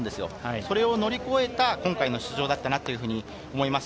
それを乗り越えた今回の出場だと思います。